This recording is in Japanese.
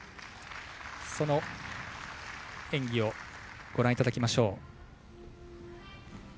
その演技をご覧いただきましょう。